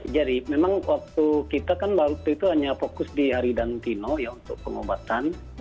jadi memang waktu kita kan waktu itu hanya fokus di haridantino untuk pengobatan